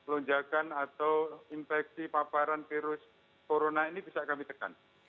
lonjakan atau infeksi paparan virus corona ini bisa kami tekan